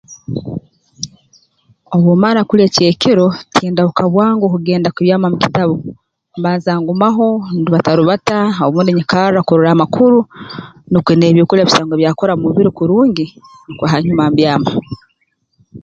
Obu mmara kulya ekyekiro tindahuka bwangu kugenda kubyama mu kitabu mbanza ngumaho ndubatarubata obundi nyikarra kurora amakuru nukwo n'ebyokulya bisangwe byakora mu mubiri kurungi nukwo hanyuma mbyama